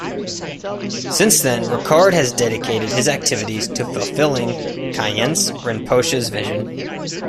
Since then, Ricard has dedicated his activities to fulfilling Khyentse Rinpoche's vision.